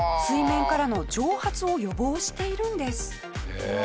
へえ！